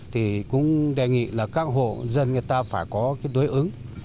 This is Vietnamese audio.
thì cũng đề nghị là các hộ dân người ta phải có cái đối ứng